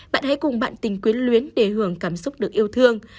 bạn hãy cùng bạn tình quyến luyến để hưởng cảm xúc được yêu thương